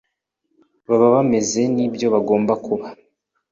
baba bameze nibyo bagomba kuba